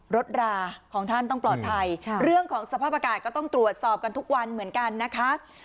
ราของท่านต้องปลอดภัยเรื่องของสภาพอากาศก็ต้องตรวจสอบกันทุกวันเหมือนกันนะคะ